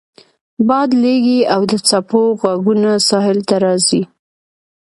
باد لګیږي او د څپو غږونه ساحل ته راځي